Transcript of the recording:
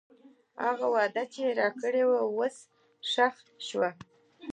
هغه وعده چې راکړې وه، اوس ښخ شوې.